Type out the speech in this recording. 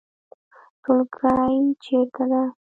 ټولګی چیرته ده؟